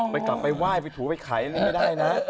กลับไปไหว้ไปถูไปไขอะไรไม่ได้นะ